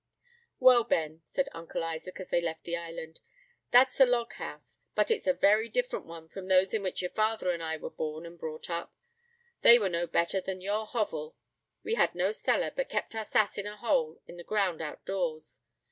"Well, Ben," said Uncle Isaac, as they left the island, "that's a log house; but it's a very different one from those in which your father and I were born and brought up: they were no better than your hovel. We had no cellar, but kept our sass in a hole in the ground out doors.